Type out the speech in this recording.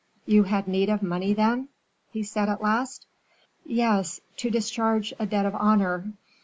"You had need of money, then?" he said, at last. "Yes; to discharge a debt of honor."